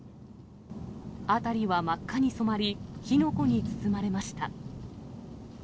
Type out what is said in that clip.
辺りは真っ赤に染まり、火の粉に包まれました。